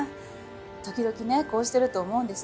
時々ねこうしてると思うんです。